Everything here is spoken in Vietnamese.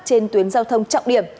trên tuyến giao thông trọng điểm